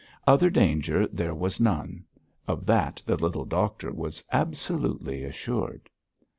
Other danger there was none; of that the little doctor was absolutely assured.